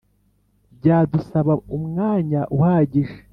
byadusaba umwanya uhagije